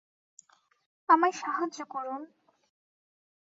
আমায় সাহায্য করুন৷